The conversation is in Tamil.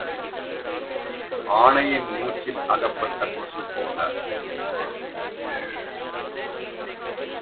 ஆனையின் மூச்சில் அகப்பட்ட கொசுப் போல.